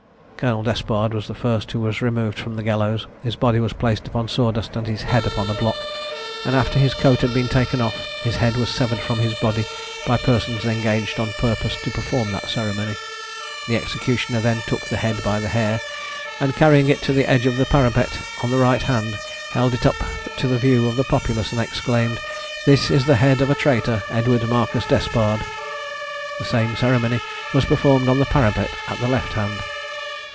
Colonel Despard was the first who was removed from the gallows; his body was placed upon sawdust, and his head upon a block; and after his coat had been taken off, his head was severed from his body by persons engaged on purpose to perform that ceremony. The executioner then took the head by the hair, and carrying it to the edge of the parapet on the right hand, held it up to the view of the populace, and exclaimed "This is the head of a traitor, Edward Marcus Despard." The same ceremony was performed on the parapet at the left hand.